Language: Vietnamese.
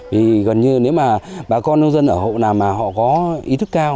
vì gần như nếu mà bà con nông dân ở hộ nào mà họ có ý thức cao